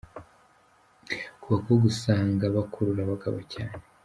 Ku bakobwa usanga bakurura abagabo cyane.